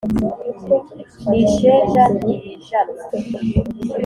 ni isheja ntiyijanwa